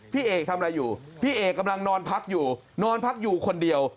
พี่เอกทำอะไรอยู่พี่เอกกำลังนอนพักอยู่นอนพักอยู่คนเดียว